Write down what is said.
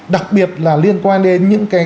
đặc biệt là liên quan đến những cái